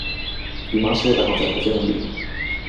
Imaxe da concentración en Vigo.